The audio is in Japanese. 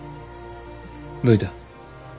どういた？